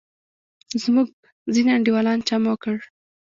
زموږ ځینې انډیوالان چم وکړ.